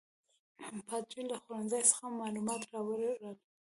پادري له خوړنځای څخه معلومات راوړي ول.